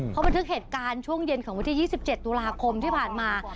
เพราะบันทึกเหตุการณ์ช่วงเย็นของวันที่๒๗ตุลาคมที่ผ่านมา